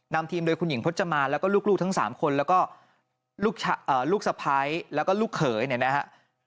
นำทีมโดยคุณหญิงพจมานแล้วก็ลูกทั้ง๓คนแล้วก็ลูกสะพ้ายแล้วก็ลูกเขยเนี่ยนะฮะ